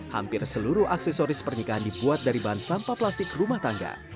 hampir seluruh aksesoris pernikahan dibuat dari bahan sampah plastik rumah tangga